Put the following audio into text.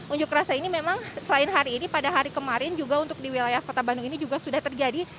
unjuk rasa ini memang selain hari ini pada hari kemarin juga untuk di wilayah kota bandung ini juga sudah terjadi